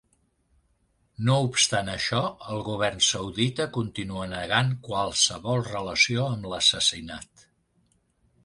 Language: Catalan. No obstant això, el govern saudita continua negant qualsevol relació amb l’assassinat.